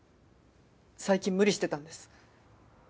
最近無理してたんです。